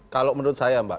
kalau menurut saya mbak